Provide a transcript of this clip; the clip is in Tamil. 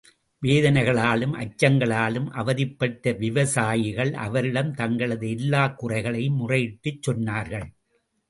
வேதனைகளாலும், அச்சங்களாலும் அவதிப்பட்ட விவசாயிகள் அவரிடம் தங்களது எல்லாக் குறைகளையும் முறையிட்டுச் சொன்னார்கள்.